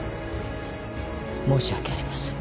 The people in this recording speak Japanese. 申し訳ありません。